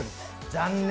残念！